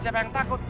siapa yang takut